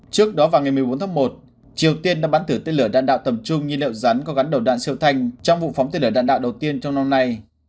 trước đó vào ngày một mươi bốn tháng một triều tiên đã bắn thử tên lửa đạn đạo tầm trung nhiên liệu rắn có gắn đầu đạn siêu thanh trong vụ phóng tên lửa đạn đạo đầu tiên trong năm nay